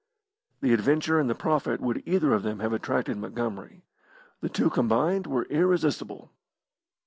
The adventure and the profit would either of them have attracted Montgomery. The two combined were irresistible.